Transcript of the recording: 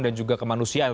dan juga kemanusiaan